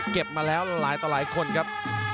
มาแล้วหลายต่อหลายคนครับ